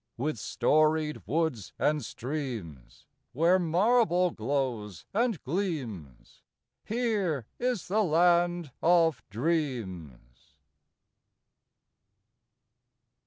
With storied woods and streams, Where marble glows and gleams, Here is the land of Dreams.